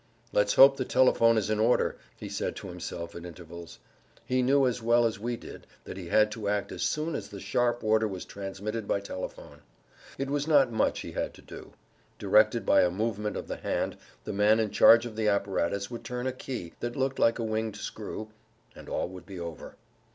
"Let's hope the telephone is in order," he said to himself at intervals. He knew as well as we did that he had to act as soon as the sharp order was transmitted by telephone. It was not much he had to do. Directed by a movement of the hand the man in charge of the apparatus would turn a key that looked like a winged screw—and all would be over.